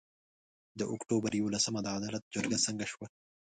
د اُکټوبر یولسمه د عدالت جرګه څنګه سوه؟